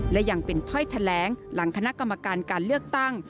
และยังเป็นถ้อยแถลงหลังคณะกรรมการการเลือกตั้ง